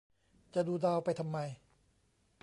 จะดูดาวไปทำไม